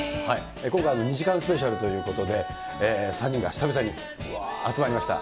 今回、２時間スペシャルということで、３人が久々に集まりました。